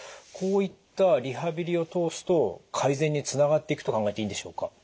こういったリハビリを通すと改善につながっていくと考えていいんでしょうか？